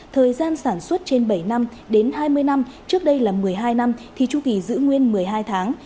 thời gian sản xuất trên bảy năm đến hai mươi năm trước đây là một mươi hai năm thì chu kỳ giữ nguyên một mươi hai tháng